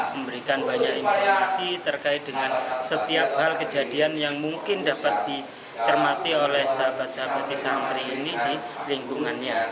memberikan banyak informasi terkait dengan setiap hal kejadian yang mungkin dapat dicermati oleh sahabat sahabat di santri ini di lingkungannya